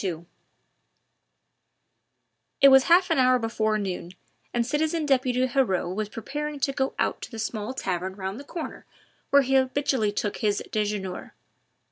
II It was half an hour before noon, and citizen deputy Heriot was preparing to go out to the small tavern round the corner where he habitually took his dejeuner.